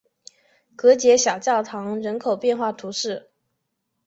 戈捷小教堂人口变化图示